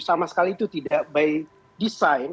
sama sekali itu tidak by design